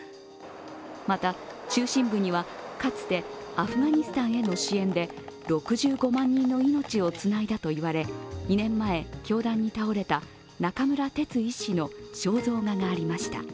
また、中心部にはかつてアフガニスタンへの支援で６５万人の命をつないだと言われ２年前、凶弾に倒れた中村哲医師の肖像画がありました。